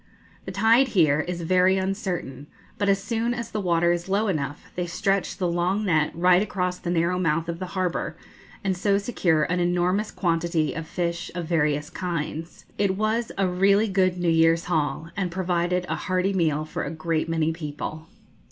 The tide here is very uncertain; but as soon as the water is low enough, they stretch the long net right across the narrow mouth of the harbour, and so secure an enormous quantity of fish of various kinds. It was a really good New Year's haul, and provided a hearty meal for a great many people.